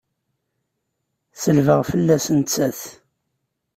Selbeɣ fell-as nettat!